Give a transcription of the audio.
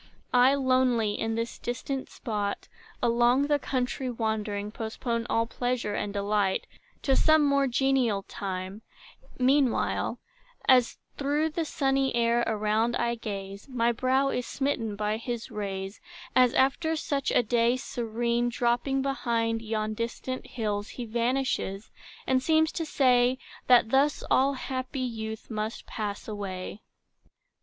I, lonely, in this distant spot, Along the country wandering, Postpone all pleasure and delight To some more genial time: meanwhile, As through the sunny air around I gaze, My brow is smitten by his rays, As after such a day serene, Dropping behind yon distant hills, He vanishes, and seems to say, That thus all happy youth must pass away.